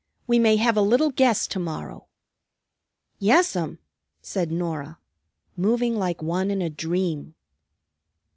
We may have a little guest to morrow." "Yes'm," said Norah, moving like one in a dream.